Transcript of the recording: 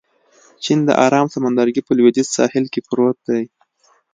چین د ارام سمندرګي په لوېدیځ ساحل کې پروت دی.